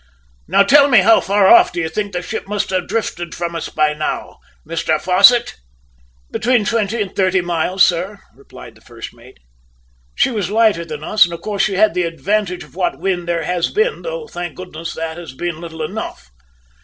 Now tell me how far off do you think the ship must have drifted from us by now, Mr Fosset." "Between twenty and thirty miles, sir," replied the first mate. "She was lighter than us, and of course she had the advantage of what wind there has been, though, thank goodness, that has been little enough!"